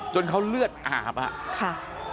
จนเขาเลือดอาบอะ